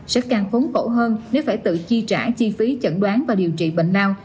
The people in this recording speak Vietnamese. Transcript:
sẽ càng khốn khổ hơn nếu phải tự chi trả chi phí chẩn đoán và điều trị bệnh lao